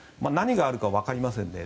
何があるかわかりません。